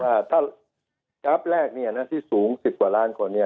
ว่าถ้าดับแรกที่สูง๑๐กว่าล้านกว่านี้